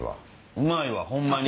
うまいわホンマに。